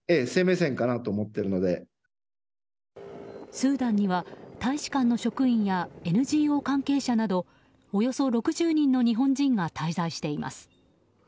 スーダンには大使館の職員やＮＧＯ関係者などおよそ６０人の日本人が滞在しています。